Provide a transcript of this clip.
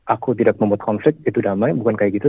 aku tidak membuat konflik itu damai bukan kayak gitu